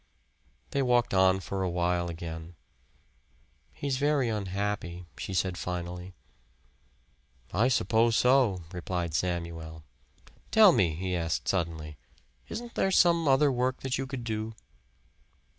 They walked on for a while again. "He's very unhappy," she said finally. "I suppose so," replied Samuel. "Tell me," he asked suddenly. "Isn't there some other work that you could do?"